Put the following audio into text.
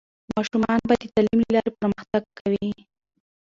ماشومان به د تعلیم له لارې پرمختګ کوي.